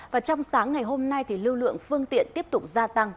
và trong sáng ngày hôm nay thì lưu lượng phương tiện tiếp tục gia tăng